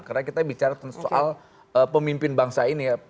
karena kita bicara soal pemimpin bangsa ini ya